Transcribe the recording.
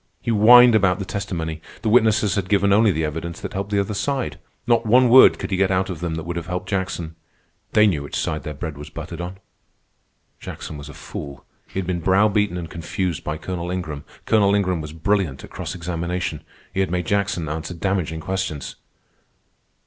He whined about the testimony. The witnesses had given only the evidence that helped the other side. Not one word could he get out of them that would have helped Jackson. They knew which side their bread was buttered on. Jackson was a fool. He had been brow beaten and confused by Colonel Ingram. Colonel Ingram was brilliant at cross examination. He had made Jackson answer damaging questions.